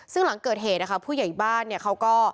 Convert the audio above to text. ซึ่งหลังเกิดเหตุนะคะผู้ใหญ่บ้านเนี่ยเขาก็